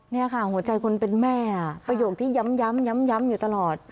นี่ค่ะหัวใจคนเป็นแม่ประโยคที่ย้ำอยู่ตลอด